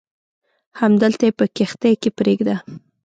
همدلته یې په کښتۍ کې پرېږده.